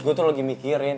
gue tuh lagi mikirin